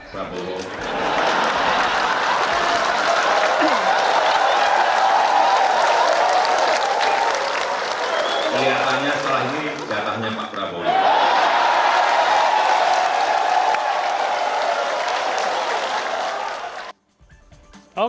kelihatannya setelah ini jatahnya pak prabowo